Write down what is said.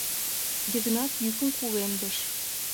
— Йыгнат йӱкым кугемдыш.